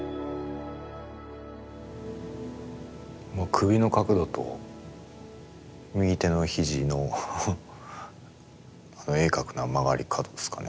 首の角度と右手の肘のあの鋭角な曲がり角ですかね。